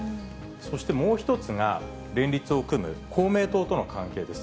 そしてもう一つが、連立を組む公明党との関係です。